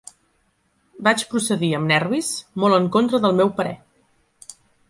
Vaig procedir amb nervis, molt en contra del meu parer.